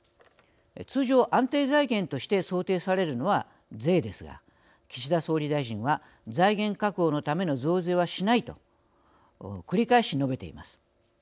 通常、安定財源として想定されるのは税ですが岸田総理大臣は財源確保のための増税はしないと繰り返し述べています。